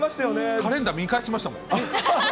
カレンダー、見返しましたもん。